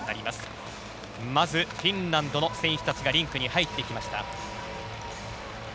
まずフィンランドの選手たちがリンクに入ってきました。